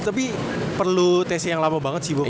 tapi perlu tes yang lama banget sih bu